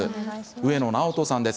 上野直人さんです。